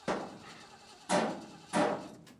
mwanga na muli wake unazidisha hofu